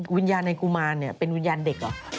วิญญาณในกุมารเป็นวิญญาณเด็กเหรอ